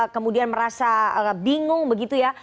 kemudian merasa bingung begitu ya